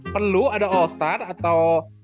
perlu ada all star atau